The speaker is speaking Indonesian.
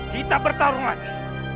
kita bertarung lagi